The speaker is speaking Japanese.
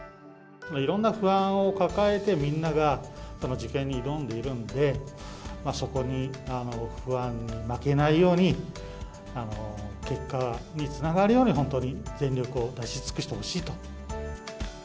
いろんな不安を抱えて、みんなが受験に挑んでいるんで、そこに、不安に負けないように、結果につながるように、本当に全力を出し尽くしてほしいと。